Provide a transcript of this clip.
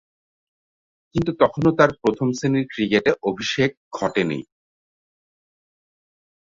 কিন্তু তখনো তার প্রথম-শ্রেণীর ক্রিকেটে অভিষেক ঘটেনি।